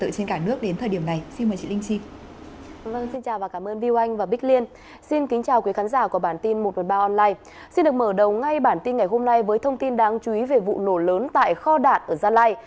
xin được mở đầu ngay bản tin ngày hôm nay với thông tin đáng chú ý về vụ nổ lớn tại kho đạn ở gia lai